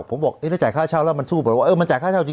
ผมบอกถ้าจ่ายค่าเช่าแล้วมันสู้ไปว่าเออมันจ่ายค่าเช่าจริง